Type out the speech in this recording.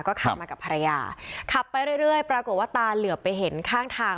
ขับมากับภรรยาขับไปเรื่อยปรากฏว่าตาเหลือไปเห็นข้างทาง